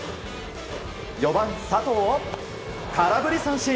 ４番、佐藤を空振り三振。